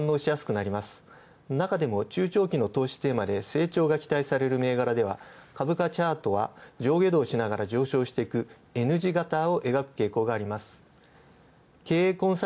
なかでも中長期の投資テーマで成長が期待されるテーマは株価チャートは上昇していくＮ字型を描く携行があります。